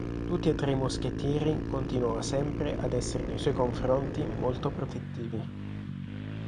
Tutti e tre i moschettieri continuano sempre ad esser nei suoi confronti molto protettivi.